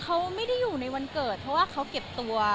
เขาไม่ได้อยู่ในวันเกิดเพราะว่าเขาเก็บตัว